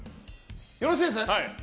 よろしいですね？